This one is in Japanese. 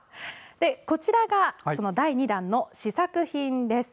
こちらが、第２弾の試作品です。